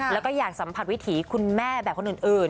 แล้วก็อยากสัมผัสวิถีคุณแม่แบบคนอื่น